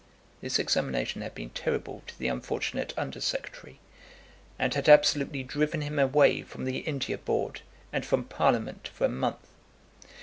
This examination had been terrible to the unfortunate Under Secretary; and had absolutely driven him away from the India Board and from Parliament for a month.